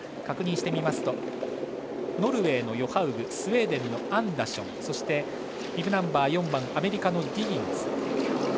確認してみますとノルウェーのヨハウグスウェーデンのアンダーションそして、ビブナンバー４番アメリカのディギンズ。